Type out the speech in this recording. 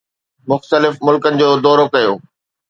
مختلف ملڪن جو دورو ڪيو